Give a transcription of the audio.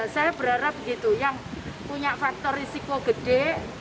saya berharap begitu yang punya faktor risiko gede